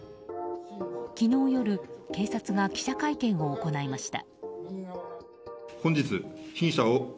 昨日夜警察が記者会見を行いました。